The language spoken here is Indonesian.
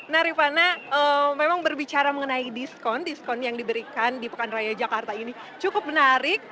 nah rifana memang berbicara mengenai diskon diskon yang diberikan di pekan raya jakarta ini cukup menarik